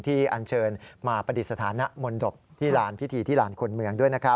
อันเชิญมาปฏิสถานะมนตบที่ลานพิธีที่ลานคนเมืองด้วย